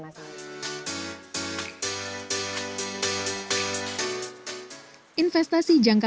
investasi jangka panjang adalah fokus penting afa pro logik